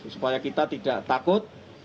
supaya kita tidak takut